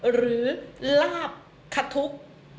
หรือลาบขทุก